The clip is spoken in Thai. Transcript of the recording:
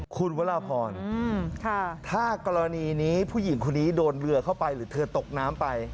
คุณวราพรถ้ากรณีนี้ผู้หญิงคนนี้โดนเรือเข้าไปหรือเธอตกน้ำไป